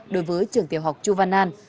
đối với trường tiểu học chu văn an